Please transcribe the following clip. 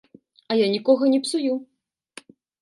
А я нікога не псую.